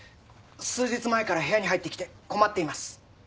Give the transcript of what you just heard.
数日前から部屋に入ってきて困っています。